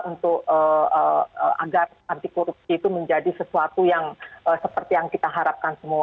untuk agar anti korupsi itu menjadi sesuatu yang seperti yang kita harapkan semua